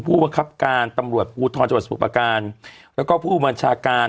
ผู้บังคับการตำรวจปูทรสพพและผู้บัญชาการ